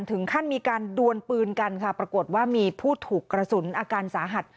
ถึงขั้นมีการดวนปืนกันค่ะปรากฏว่ามีผู้ถูกกระสุนอาการสาหัส